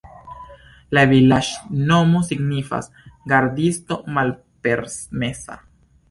La vilaĝnomo signifas: gardisto-malpermesa.